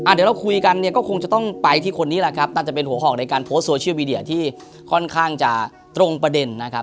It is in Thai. เดี๋ยวเราคุยกันเนี่ยก็คงจะต้องไปที่คนนี้แหละครับน่าจะเป็นหัวหอกในการโพสต์โซเชียลมีเดียที่ค่อนข้างจะตรงประเด็นนะครับ